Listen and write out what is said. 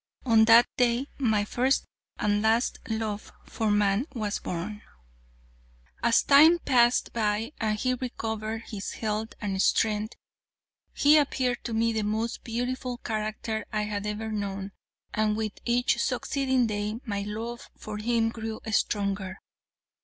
On that day my first and last love for man was born. "'As time passed by, and he recovered his health and strength, he appeared to me the most beautiful character I had ever known, and with each succeeding day my love for him grew stronger.